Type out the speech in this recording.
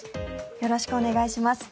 よろしくお願いします。